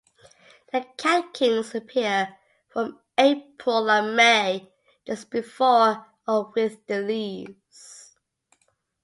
The catkins appear from April and May just before or with the leaves.